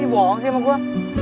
di bawah siapa gue